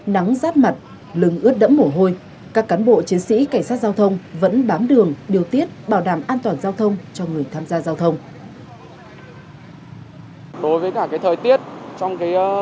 nắng rát mặt lưng ướt đẫm mổ hôi các cán bộ chiến sĩ cảnh sát giao thông vẫn bám đường điều tiết bảo đảm an toàn giao thông cho người tham gia giao thông